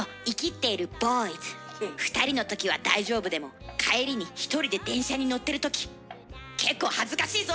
２人の時は大丈夫でも帰りに１人で電車に乗ってる時結構恥ずかしいぞ！